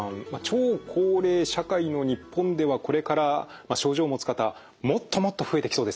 超高齢社会の日本ではこれから症状を持つ方もっともっと増えてきそうですね。